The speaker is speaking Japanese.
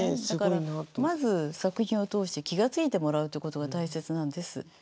だからまず作品を通して気が付いてもらうということが大切なんです。